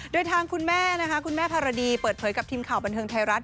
โดยทางคุณแม่นะคะคุณแม่ภารดีเปิดเผยกับทีมข่าวบันเทิงไทยรัฐ